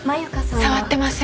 触ってません。